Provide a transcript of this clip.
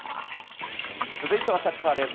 続いてはサッカーです。